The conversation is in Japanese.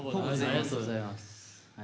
ありがとうございます。